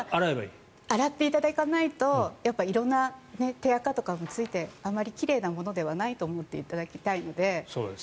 洗っていただかないとやっぱり色んな手あかとかもついてあまり奇麗なものではないと思っていただきたいので。